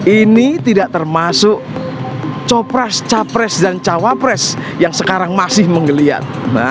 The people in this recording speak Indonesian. ini tidak termasuk copras capres dan cawapres yang sekarang masih menggeliat